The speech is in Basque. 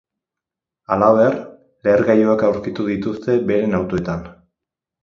Halaber, lehergailuak aurkitu dituzte beren autoetan.